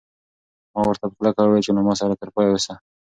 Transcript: ما ورته په کلکه وویل چې له ما سره تر پایه اوسه.